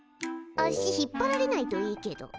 足引っ張られないといいけど。